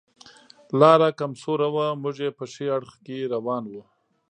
لاره کم سوره وه، موږ یې په ښي اړخ کې روان و.